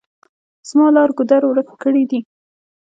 زما لار ګودر ورک کړي دي.